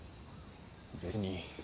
別に。